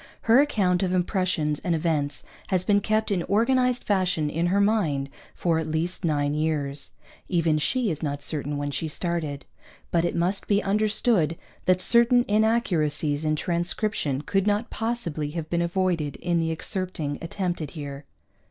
Her account of impressions and events has been kept in organized fashion in her mind for at least nine years (even she is not certain when she started), but it must be understood that certain inaccuracies in transcription could not possibly have been avoided in the excerpting attempted here.